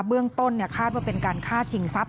เบื้องต้นคาดว่าเป็นการฆ่าชิงทรัพย